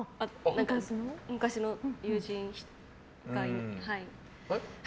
昔の友人。